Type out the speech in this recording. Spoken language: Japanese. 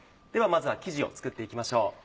ではまずは生地を作って行きましょう。